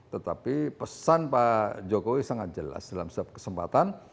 tetapi pesan pak jokowi sangat jelas dalam setiap kesempatan